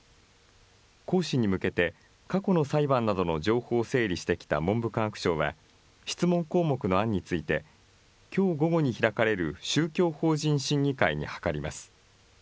行使に向けて、過去の裁判などの情報を整理してきた文部科学省は、質問項目の案について、きょう午後に開かれる宗教法人審議会に諮ります。